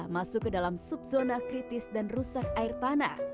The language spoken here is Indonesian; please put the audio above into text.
masuk ke dalam subzona kritis dan rusak air tanah